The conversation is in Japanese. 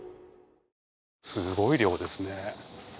すごい量ですね。